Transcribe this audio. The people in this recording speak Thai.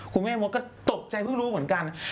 คุณแม่มดก็ตกใจเพิ่งรู้เหมือนกัน